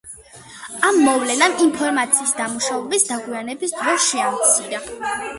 ამ მოვლენამ ინფორმაციის დამუშავების დაგვიანების დრო შეამცირა.